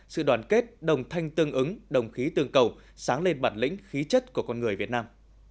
sự đoàn kết đồng thanh tương ứng đồng khí tương cầu sáng lên bản lĩnh khí chất của con người việt nam